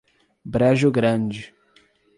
Brejo Grande